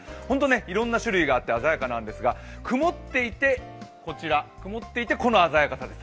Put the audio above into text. いろんな種類があって鮮やかなんですが、こちら、曇っていて、この鮮やかさです。